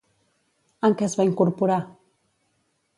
En què es va incorporar?